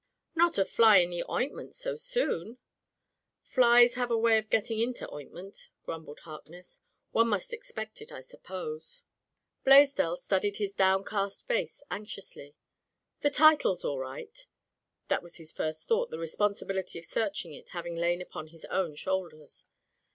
"Not a fly in the ointment so soon ?" "Flies have a way of getting into oint ment," grumbled Harkness. "One must ex pect it, I suppose." Digitized by LjOOQ IC Interventions Blaisdell studied his downcast face anx iously. "The tide's all right/' That was his first thought, the responsibility of searching it having lain upon his own shoulders.